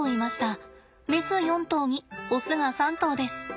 メス４頭にオスが３頭です。